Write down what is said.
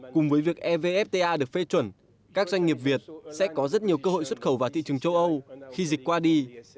cùng với việc evfta được phê chuẩn các doanh nghiệp việt sẽ có rất nhiều cơ hội xuất khẩu vào thị trường châu âu khi dịch qua đi